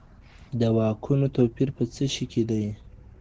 د واکونو توپیر په څه شي کي دی؟